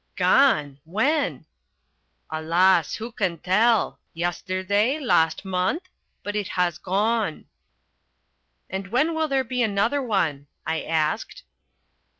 "Gone! When?" "Alas, who can tell? Yesterday, last month? But it has gone." "And when will there be another one?" I asked.